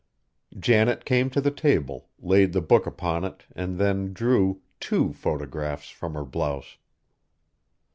Janet came to the table, laid the book upon it, and then drew two photographs from her blouse!